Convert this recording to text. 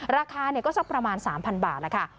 ราคาก็สักประมาณ๓๐๐บาทแล้วค่ะ